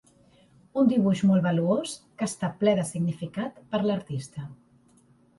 Un dibuix molt valuós que està ple de significat per l'artista.